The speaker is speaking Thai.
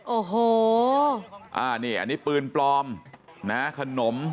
โอ้โหอ่านี่อันนี้ปืนปลอมนะขนม